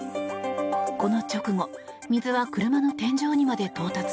この直後、水は車の天井にまで到達。